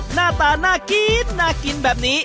หน้าตาน่ากินน่ากินแบบนี้